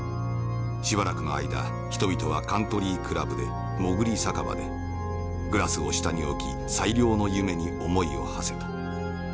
しばらくの間人々はカントリー・クラブでもぐり酒場でグラスを下に置き最良の夢に思いをはせた。